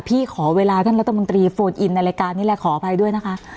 ขอเวลาท่านรัฐมนตรีโฟนอินในรายการนี้แหละขออภัยด้วยนะคะ